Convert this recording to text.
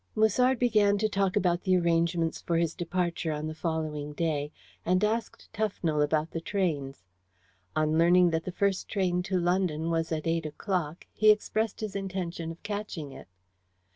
Musard began to talk about the arrangements for his departure the following day, and asked Tufnell about the trains. On learning that the first train to London was at eight o'clock, he expressed his intention of catching it.